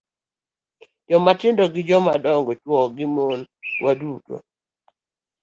Jomatindo gi jomadongo, chwo gi mon, waduto